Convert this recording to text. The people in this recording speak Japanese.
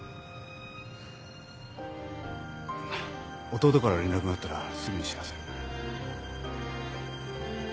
弟から連絡があったらすぐに知らせる。